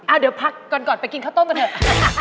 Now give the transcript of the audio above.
เดี๋ยวพักก่อนไปกินข้าวต้มกันเถอะ